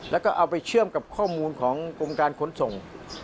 แล้วก็เอาไปเชื่อมกับข้อมูลของกรมการขนส่ง